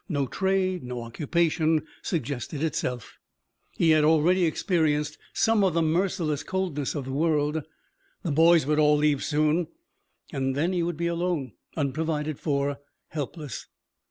No trade, no occupation, suggested itself. He had already experienced some of the merciless coldness of the world. The boys would all leave soon. And then he would be alone, unprovided for, helpless.